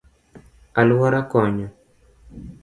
Aluora konyo;